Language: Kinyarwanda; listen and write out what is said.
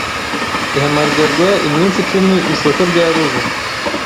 Ihamagarwa iminsi icumi isoko ryabuze